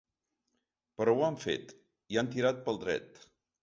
Però ho han fet, i han tirat pel dret.